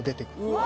うわ！